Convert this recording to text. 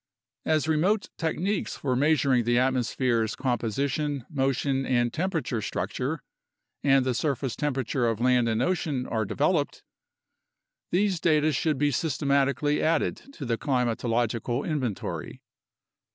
As remote techniques for measuring the at mosphere's composition, motion, and temperature structure (and the surface temperature of land and ocean) are developed, these data should be systematically added to the climatological inventory.